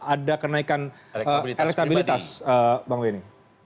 ada kenaikan elektabilitas bang benny